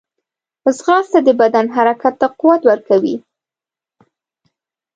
ځغاسته د بدن حرکت ته قوت ورکوي